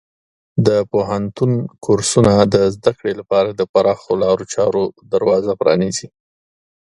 د پوهنتون کورسونه د زده کړې لپاره د پراخو لارو چارو دروازه پرانیزي.